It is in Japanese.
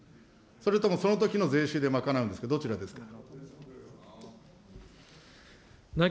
それともそのときの税収で賄うんですか、どちらですか。